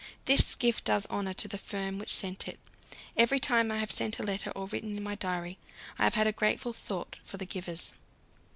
This gift does honour to the firm which sent it; every time I have sent a letter or written in my diary, I have had a grateful thought for the givers.